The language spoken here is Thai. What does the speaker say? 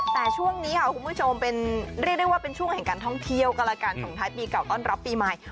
แต่ช่วงนี้ค่ะคุณผู้ชมเป็นเรียกได้ว่าเป็นช่วงแห่งการท่องเที่ยวก็แล้วกันส่งท้ายปีเก่าต้อนรับปีใหม่